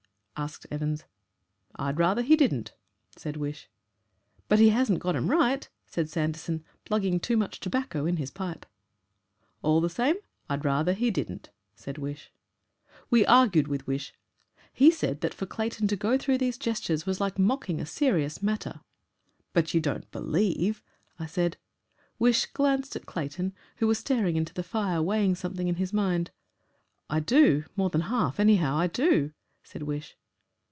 asked Evans. "I'd rather he didn't," said Wish. "But he hasn't got 'em right," said Sanderson, plugging too much tobacco in his pipe. "All the same, I'd rather he didn't," said Wish. We argued with Wish. He said that for Clayton to go through those gestures was like mocking a serious matter. "But you don't believe ?" I said. Wish glanced at Clayton, who was staring into the fire, weighing something in his mind. "I do more than half, anyhow, I do," said Wish.